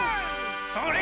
それ！